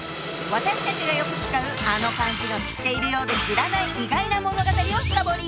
私たちがよく使うあの漢字の知ってるようで知らない意外な物語を深掘り！